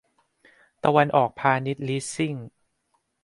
ตะวันออกพาณิชย์ลีสซิ่ง